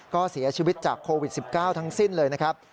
ก็เสียชีวิตจากโควิด๑๙ทั้งสิ้นเลยนะครับ